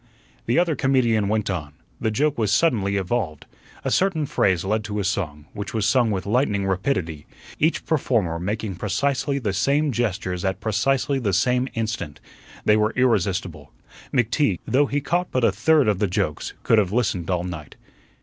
The other comedian went on. The joke was suddenly evolved. A certain phrase led to a song, which was sung with lightning rapidity, each performer making precisely the same gestures at precisely the same instant. They were irresistible. McTeague, though he caught but a third of the jokes, could have listened all night.